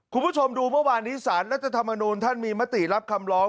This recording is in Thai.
คุณผู้ชมดูเมื่อวานนี้สารรัฐธรรมนูลท่านมีมติรับคำร้อง